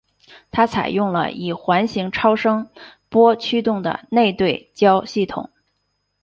它采用了以环形超声波驱动的内对焦系统。